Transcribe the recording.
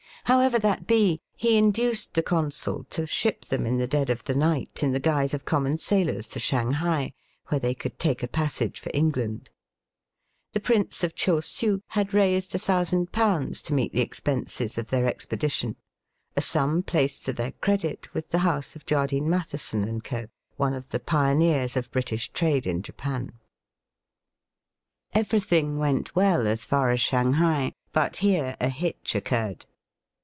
However that be, he induced the consul to ship them in the dead of the night in the guise of common sailors to Shanghai, where they could take a passage for England. The Prince of Chosiu had raised £1000 to meet the expenses of their expe dition, a sum placed to their credit with the house of Jardine, Matheson, and Co., one of the pioneers of British trade in Japan. Digitized by VjOOQIC 24 EAST BT WEST. Everything went well as far as Shanghai ; but here a hitch occurred.